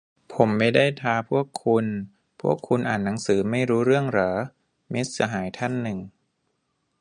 "ผมไม่ได้ท้าพวกคุณ พวกคุณอ่านหนังสือไม่รู้เรื่องหรอ" - มิตรสหายท่านหนึ่ง